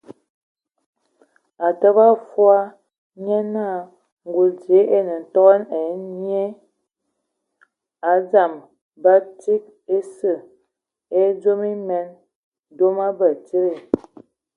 A təbə fɔɔ, nye naa ngul dzie e ne tego ai nnyie, a nǝ dzam bagǝ tsid ese, tɔ zog emen. Ndɔ batsidi.